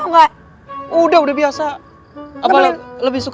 suaranya biasa aja udah selesai nyamarnya nyamarnya tau gak